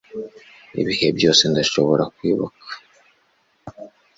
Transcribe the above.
ibihe byose ndashobora kwibuka